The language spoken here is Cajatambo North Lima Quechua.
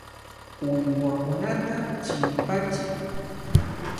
Uywakunata chimpachiy.